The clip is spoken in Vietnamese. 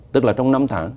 tức là trong năm tháng